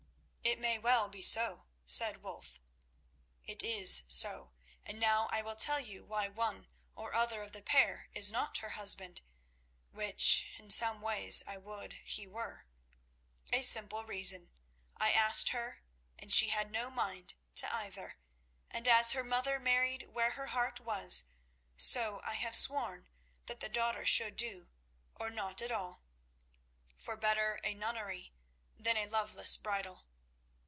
"It may well be so," said Wulf. "It is so, and now I will tell you why one or other of the pair is not her husband, which in some ways I would he were. A simple reason. I asked her, and she had no mind to either, and as her mother married where her heart was, so I have sworn that the daughter should do, or not at all—for better a nunnery than a loveless bridal.